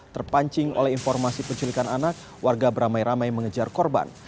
terpancing oleh informasi penculikan anak warga beramai ramai mengejar korban